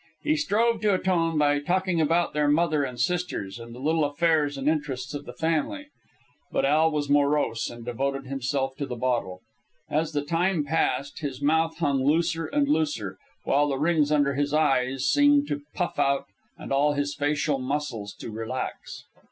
He strove to atone by talking about their mother, and sisters, and the little affairs and interests of the family. But Al was morose, and devoted himself to the bottle. As the time passed, his mouth hung looser and looser, while the rings under his eyes seemed to puff out and all his facial muscles to relax.